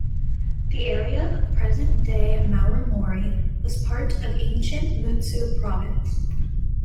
The area of present-day Marumori was part of ancient Mutsu Province.